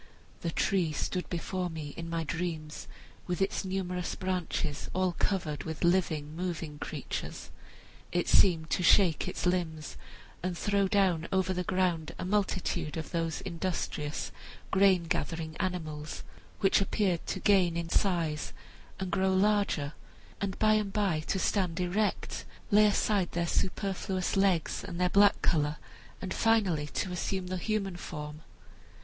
The tree stood before me in my dreams, with its numerous branches all covered with living, moving creatures. It seemed to shake its limbs and throw down over the ground a multitude of those industrious grain gathering animals, which appeared to gain in size, and grow larger and larger, and by and by to stand erect, lay aside their superfluous legs and their black color, and finally to assume the human form.